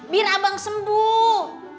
biar abang sembuh